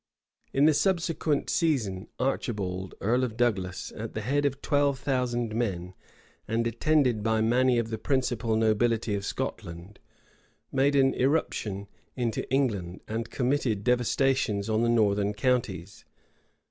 {1402.} In the subsequent season, Archibald, earl of Douglas, at the head of twelve thousand men, and attended by many of the principal nobility of Scotland, made an irruption into England, and committed devastations on the northern counties.